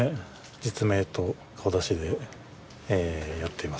実名と顔出しでやっていますね。